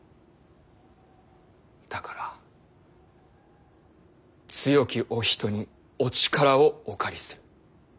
だから強きお人にお力をお借りする。